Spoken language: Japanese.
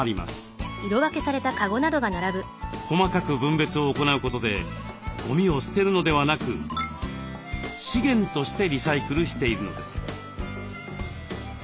細かく分別を行うことでゴミを捨てるのではなく「資源」としてリサイクルしているのです。